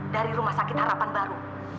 dari rumah sakit harapan baru